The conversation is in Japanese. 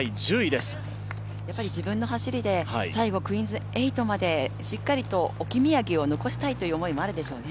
やっぱり自分の走りで、最後クイーンズ８まで置き土産を残したいという思いもあるでしょうね。